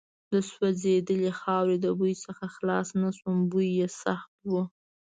د سوځېدلې خاورې د بوی څخه خلاص نه شوم، بوی یې سخت و.